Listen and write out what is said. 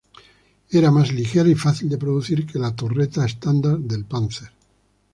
Era más ligera y fácil de producir que la torreta estándar del Panther.